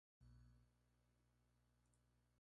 Al final se transfirió al Old Vic Theatre de Londres.